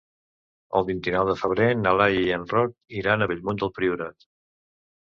El vint-i-nou de febrer na Laia i en Roc iran a Bellmunt del Priorat.